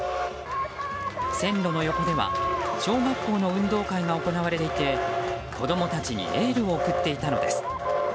線路の横では小学校の運動会が行われていて子供たちにエールを送っていたのです。